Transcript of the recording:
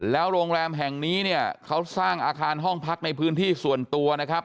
แล้วโรงแรมแห่งนี้เนี่ยเขาสร้างอาคารห้องพักในพื้นที่ส่วนตัวนะครับ